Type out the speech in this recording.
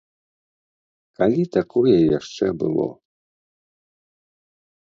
Калі такое яшчэ было?